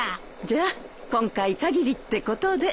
じゃあ今回限りってことで。